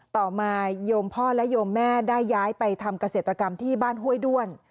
ต่อมาโยมพ่อและโยมแม่ได้ย้ายไปทำเกษตรกรรมที่บ้านห้วยด้วน